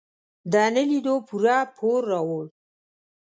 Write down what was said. د نه لیدو پوره پور راوړ.